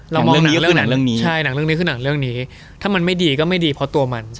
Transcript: เรามองหนังเรื่องนี้ถ้ามันไม่ดีก็ไม่ดีเพราะตัวมัน